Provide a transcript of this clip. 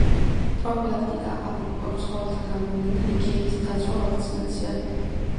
პროფილაქტიკა: ავადმყოფ ცხოველთა გამოვლენა, ჰიგიენის დაცვა, ვაქცინაცია.